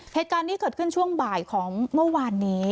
เหตุการณ์นี้เกิดขึ้นช่วงบ่ายของเมื่อวานนี้